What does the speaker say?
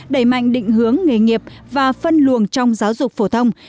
đẩy mạnh định hướng nghề nghiệp và phân luồng trong giáo dục phổ thông